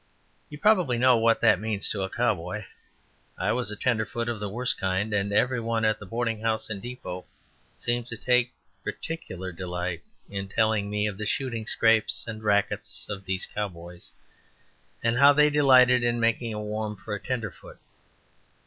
You probably know what that means to a cow boy. I was a tenderfoot of the worst kind, and every one at the boarding house and depot seemed to take particular delight in telling me of the shooting scrapes and rackets of these cow boys, and how they delighted in making it warm for a tenderfoot.